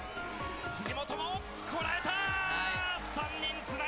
杉本、こらえた！